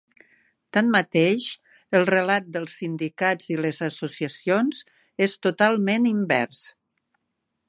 Tanmateix, el relat dels sindicats i les associacions és totalment invers.